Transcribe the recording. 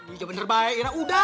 ini coba terbaik ira udah